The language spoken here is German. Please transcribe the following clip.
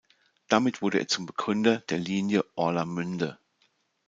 Damit wurde er zum Begründer der Linie Orlamünde.